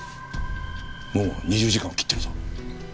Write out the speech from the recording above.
もう２０時間を切ってるぞ。